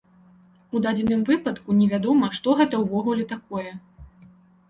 У дадзеным выпадку невядома, што гэта ўвогуле такое.